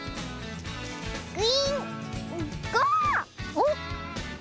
おっ。